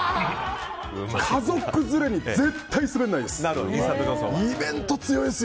家族連れに絶対、スベらないです。